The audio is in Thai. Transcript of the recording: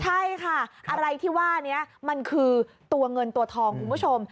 ใช่ค่ะอะไรที่ว่านี้มันคือตัวเงินตัวทองคุณผู้ชม